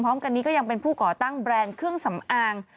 พร้อมกันนี้ก็ยังเป็นผู้ก่อตั้งแบรนด์เครื่องสำอาง